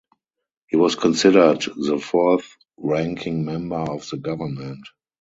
He was considered the fourth-ranking member of the government.